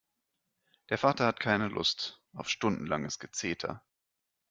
Der Vater hat keine Lust auf stundenlanges Gezeter.